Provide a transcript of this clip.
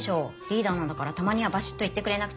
リーダーなんだからたまにはバシッと言ってくれなくちゃ。